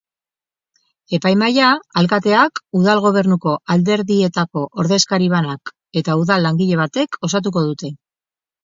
Epaimahaia alkateak, udal gobernuko alderdietako ordezkari banak eta udal langile batek osatuko dute.